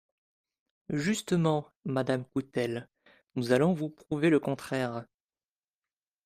Justement, madame Coutelle, nous allons vous prouver le contraire.